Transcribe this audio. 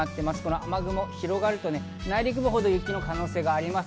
雨雲が広がると内陸のほうで雪の可能性があります。